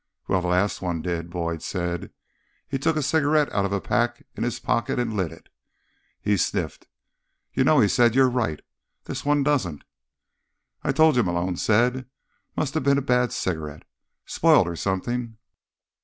"Well, the last one did," Boyd said. He took a cigarette out of a pack in his pocket, and lit it. He sniffed. "You know," he said, "you're right. This one doesn't." "I told you," Malone said. "Must have been a bad cigarette. Spoiled or something."